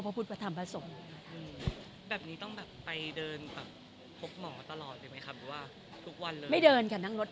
แบบนี้ต้องไปเดิน